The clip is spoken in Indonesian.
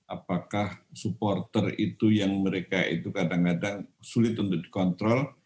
apakah supporter itu yang mereka itu kadang kadang sulit untuk dikontrol